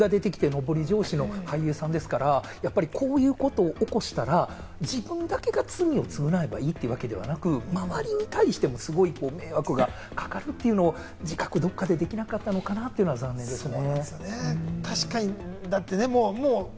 人気が出てきて上り調子の俳優さんですから、こういうことを起こしたら、自分だけが罪を償えばいいというわけではなく、周りに対してもすごい迷惑がかかるというのを自覚、どこかでできなかったのかなと思うと残念ですね。